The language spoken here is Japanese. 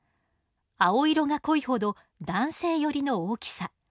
青色が濃いほど男性寄りの大きさ。